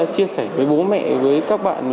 chia sẻ với bố mẹ với các bạn